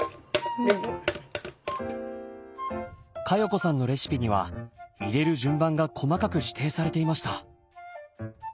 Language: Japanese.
加代子さんのレシピには入れる順番が細かく指定されていました。